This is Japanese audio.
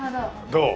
どう？